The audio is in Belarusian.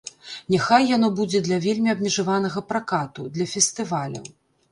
Няхай яно будзе для вельмі абмежаванага пракату, для фестываляў.